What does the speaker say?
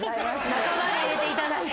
仲間に入れていただいて。